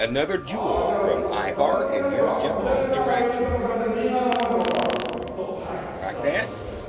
ああじゃあ形から言えば左側が頼朝さんで右側が政子さん？と伝わってはございます。